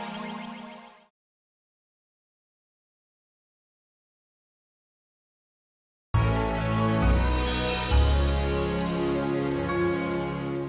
emaknya udah berubah